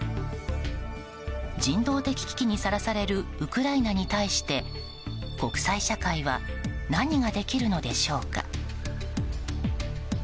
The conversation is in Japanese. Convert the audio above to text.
人道的危機にさらされるウクライナに対して国際社会は何ができるのでしょうか。